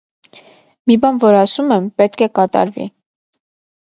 Մի բան որ ասում եմ, պե՜տք է կատարվի: